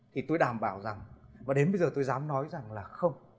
thì tôi đảm bảo rằng và đến bây giờ tôi dám nói rằng là không